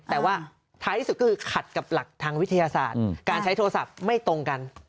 แต่ว่าท้ายที่สุดก็คือขัดกับหลักทางวิทยาศาสตร์การใช้โทรศัพท์ไม่ตรงกัน